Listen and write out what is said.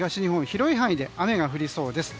広い範囲で雨が降りそうです。